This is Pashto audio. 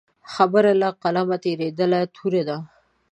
خبره له قلمه تېرېدلې توره ده.